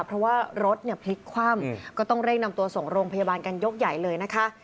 เพราะว่ารถเนี่ยพลิกคว่ำก็ต้องเร่งนำตัวส่งโรงพยาบาลกันยกใหญ่เลยนะคะ